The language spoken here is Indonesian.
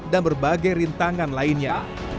dan berbagai rintangan lainnya